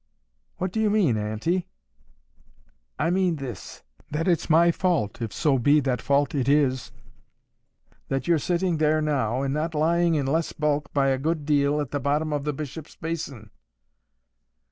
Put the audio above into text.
'—'What do you mean, auntie ?' I mean this, that it's my fault, if so be that fault it is, that you're sitting there now, and not lying, in less bulk by a good deal, at the bottom of the Bishop's Basin.